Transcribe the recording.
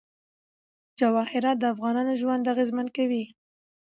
جواهرات د افغانانو ژوند اغېزمن کوي.